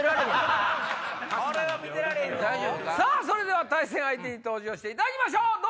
それでは対戦相手に登場していただきましょう！